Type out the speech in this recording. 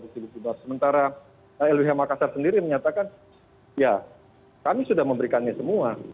sementara lbh makassar sendiri menyatakan ya kami sudah memberikannya semua